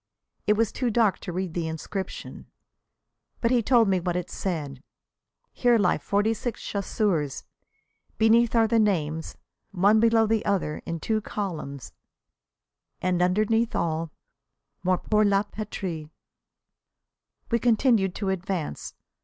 It was too dark to read the inscription, but he told me what it said: "Here lie forty six chasseurs." Beneath are the names, one below the other in two columns, and underneath all: "Morts pour la Patrie." We continued to advance.